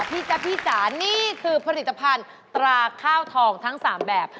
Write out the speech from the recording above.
จ๊ะพี่จ๋านี่คือผลิตภัณฑ์ตราข้าวทองทั้ง๓แบบ